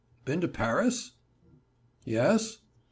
"Been to Paris?" "Yes."